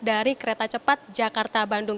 dari kereta cepat jakarta bandung